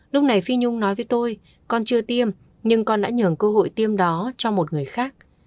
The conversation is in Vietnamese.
lúc này phi nhung nói với tôi con chưa tiêm nhưng con đã nhường cơ hội tiêm đó cho một người khác